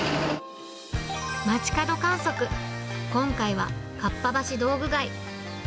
街角観測、今回はかっぱ橋道具街。